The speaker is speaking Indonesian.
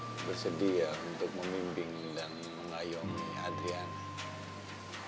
be bersedia untuk memimpin dan mengayomi adriana